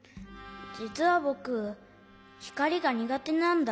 じつはぼくひかりがにがてなんだ。